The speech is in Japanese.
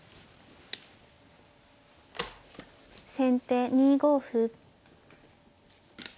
先手２五歩。